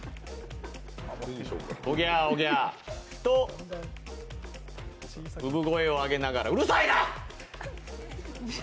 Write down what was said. おぎゃあ、おぎゃあと産声を上げながらうるさいな！